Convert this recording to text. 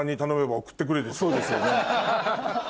そうですよね。